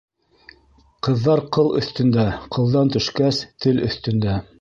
Ҡыҙҙар ҡыл өҫтөндә, ҡылдан төшкәс, тел өҫтөндә.